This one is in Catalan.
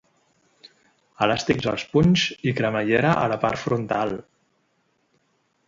Elàstics als punys i cremallera a la part frontal.